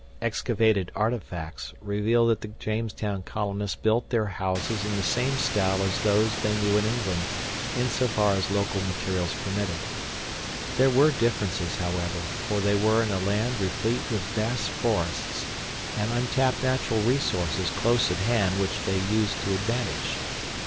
Excavated artifacts reveal that the Jamestown colonists built their houses in the same style as those they knew in England, insofar as local materials permitted. There were differences, however, for they were in a land replete with vast forests and untapped natural resources close at hand which they used to advantage.